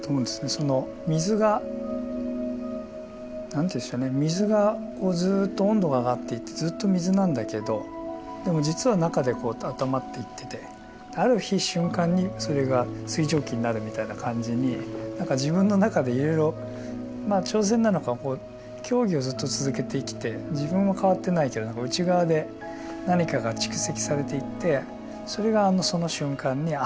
その水が何ていうんでしょうね水がずっと温度が上がっていってずっと水なんだけどでも実は中でこうあったまっていっててある日瞬間にそれが水蒸気になるみたいな感じに自分の中でいろいろまあ挑戦なのか競技をずっと続けてきて自分は変わってないけど何か内側で何かが蓄積されていってそれがその瞬間にあ